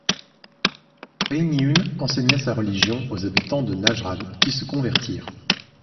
Faymyûn enseigna sa religion aux habitants de Najrân qui se convertirent.